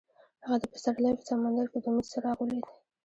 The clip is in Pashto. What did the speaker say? هغه د پسرلی په سمندر کې د امید څراغ ولید.